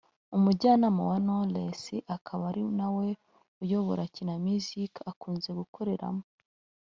umujyanama wa Knowless akaba ari nawe uyobora Kina Music akunze gukoreramo